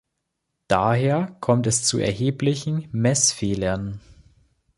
Daher kommt es zu erheblichen Messfehlern.